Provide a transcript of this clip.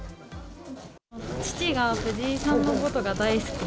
父が藤井さんのことが大好きで、